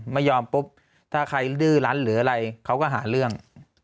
ไม่ยอมปุ๊บถ้าใครดื้อลั้นหรืออะไรเขาก็หาเรื่อง